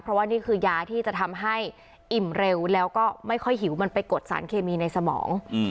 เพราะว่านี่คือยาที่จะทำให้อิ่มเร็วแล้วก็ไม่ค่อยหิวมันไปกดสารเคมีในสมอง